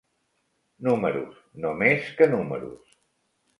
Números, no més que números